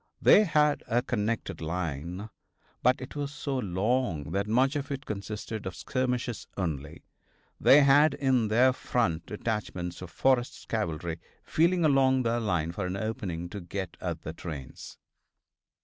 They had a connected line, but it was so long that much of it consisted of skirmishers only. They had in their front detachments of Forrest's cavalry feeling along their line for an opening to get at the trains.